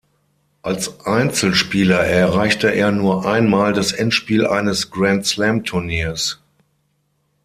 Als Einzelspieler erreichte er nur einmal das Endspiel eines Grand-Slam-Turniers.